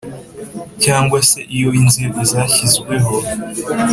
Cyangwa se iyo inzego zashyizweho